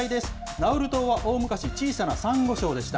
ナウル島は大昔、小さなさんご礁でした。